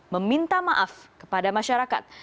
meminta maaf kepada masyarakat